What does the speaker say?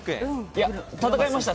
戦いました。